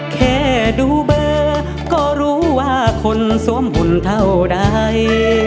แค่ดูเบอร์ก็รู้ว่าคนสวมหุ่นเท่าใด